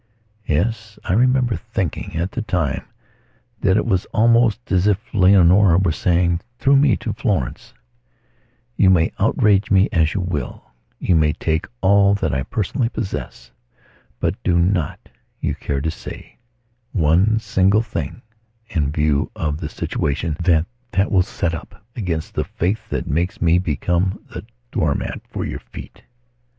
Yes, I remember thinking at the time that it was almost as if Leonora were saying, through me to Florence: "You may outrage me as you will; you may take all that I personally possess, but do not you care to say one single thing in view of the situation that that will set upagainst the faith that makes me become the doormat for your feet."